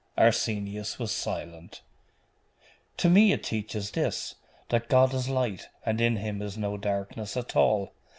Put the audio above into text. Arsenius was silent. 'To me it teaches this: that God is light, and in Him is no darkness at all.